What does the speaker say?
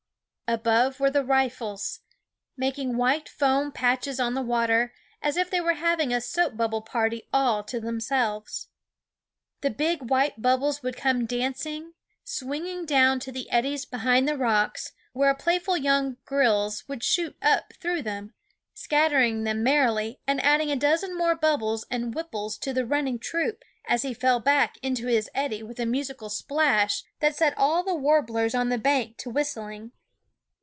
Above were the riffles, making white foam patches of the water, as if they were having a soap bubble party all to themselves. The big white bubbles would come dancing, swing ing down to the eddies behind the rocks, where a playful young grilse would shoot up through them, scattering them merrily, and adding a dozen more bubbles and wimples to the running troop as he fell back into his eddy with a musical splash that THE WOODS H set all the warblers on the bank to whistling.